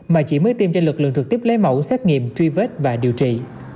mà chỉ mới tiêm cho lực lượng trực tiếp lấy mẫu xét nghiệm truy vết và điều trị